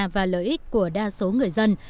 và lợi ích của đa số người dân